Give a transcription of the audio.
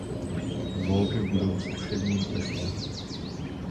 Volby budou zkušebním testem.